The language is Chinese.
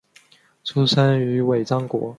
出生于尾张国。